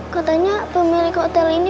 katanya pemilik hotel ini